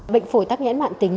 bệnh phổi tắc nghẽn mạng tính